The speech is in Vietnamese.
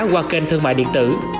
qua kênh thương mại điện tử